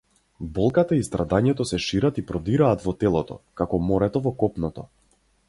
Болката и страдањето се шират и продираат во телото, како морето во копното.